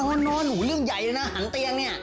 เอออย่างนั้นนอนหูเรื่องใหญ่เลยนะหางเตียงเนี่ย